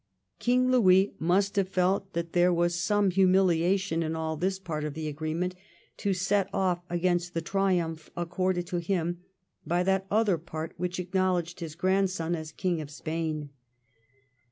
King Louis must have felt that there was some humiliation in all this part of the agreement to set off against the triumph accorded to him by that other part which acknowledged his grandson as King of Spain.